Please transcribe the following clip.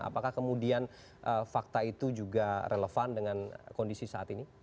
apakah kemudian fakta itu juga relevan dengan kondisi saat ini